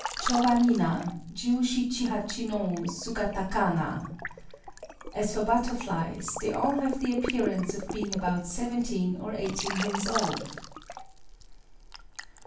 _] Chō wa mina Jiu shichi hachi no Sugata kana! [_As for butterflies, they all have the appearance of being about seventeen or eighteen years old.